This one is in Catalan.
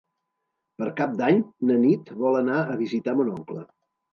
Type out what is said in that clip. Per Cap d'Any na Nit vol anar a visitar mon oncle.